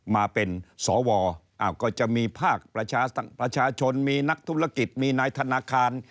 มาเป็นสวก็จะมีภาคประชาชนมีนักธุรกิจมีนายธนาคาร